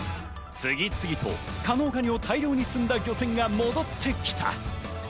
次々と加能がにを大量に積んだ漁船が戻ってきた。